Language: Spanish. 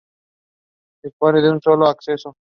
Dispone de un solo acceso.